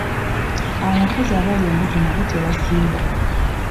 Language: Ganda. Abakazi abali embuto nabo tebasiiba.